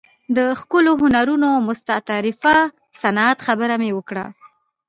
د ښکلو هنرونو او مستطرفه صنعت خبره مې وکړه.